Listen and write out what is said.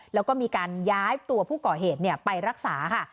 แล้วก็มีการย้ายตัวผู้ก่อเหตุไปรักษาค่ะ